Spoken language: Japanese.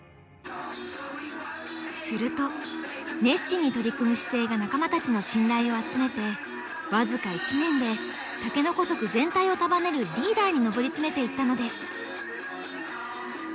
すると熱心に取り組む姿勢が仲間たちの信頼を集めてわずか１年で竹の子族全体を束ねるリーダーに上り詰めていったのです。